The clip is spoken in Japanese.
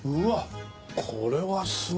これはすごいなあ。